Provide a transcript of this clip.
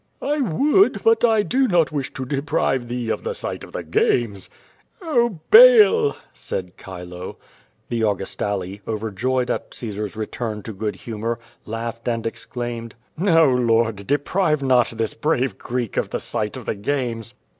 "I would, but I do not wish to deprive thee of the sight of the games." "Oh, Baal!" said Chilo. The Augustale, overjoyed at Caesar's return to good humor, laughed and exclaimed: "No, Lord, deprive not this brave Greek of the sight of the games."